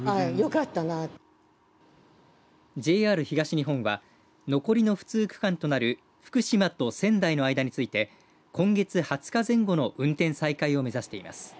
ＪＲ東日本は残りの不通区間となる福島と仙台の間について今月２０日前後の運転再開を目指しています。